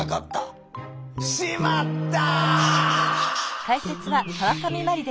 「しまった！」。